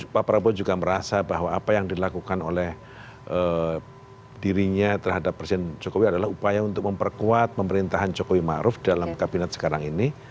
pak prabowo juga merasa bahwa apa yang dilakukan oleh dirinya terhadap presiden jokowi adalah upaya untuk memperkuat pemerintahan jokowi ⁇ maruf ⁇ dalam kabinet sekarang ini